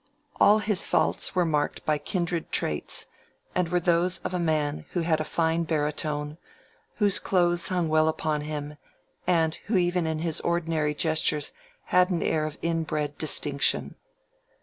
All his faults were marked by kindred traits, and were those of a man who had a fine baritone, whose clothes hung well upon him, and who even in his ordinary gestures had an air of inbred distinction.